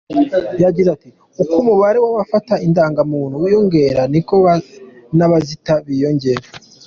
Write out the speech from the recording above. Yagize ati "Uko umubare w’abafata indangamuntu wiyongera niko n’abazita biyongera.